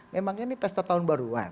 memang ini pesta tahun baruan